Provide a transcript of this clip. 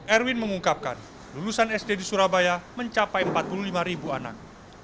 erwin mengungkapkan lulusan sd di surabaya mencapai empat puluh lima ribu anak